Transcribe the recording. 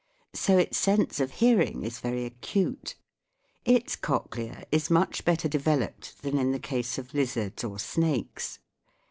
So its sense of hearing is very ac ite. Its cochlea is much better developed than in the case of lizards or snakes.